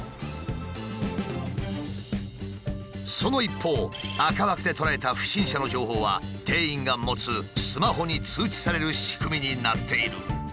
その一方赤枠で捉えた不審者の情報は店員が持つスマホに通知される仕組みになっている。